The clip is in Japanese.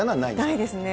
ないですね。